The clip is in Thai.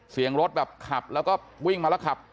เสียงรถแบบขับแล้วก็วิ่งมาแล้วขับ